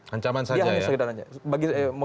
ancaman saja ya